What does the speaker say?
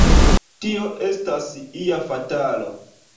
Tio estas ia fatalo!